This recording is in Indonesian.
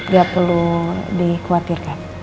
gak perlu dikhawatirkan